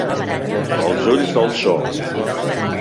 Els ulls del zoo.